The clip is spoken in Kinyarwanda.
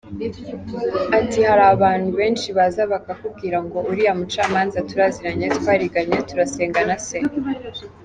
Ati “Hari abantu benshi baza bakakubwira ngo uriya mucamanza turaziranye, twariganye, turasengana se…”.